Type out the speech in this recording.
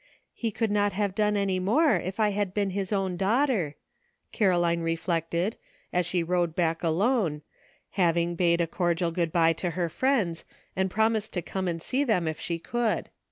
*'He could not have done any more if I had been his own daughter," Caroline reflected, as she rode back alone, having bade a cordial good by to her friends and promised to come and see them if she could.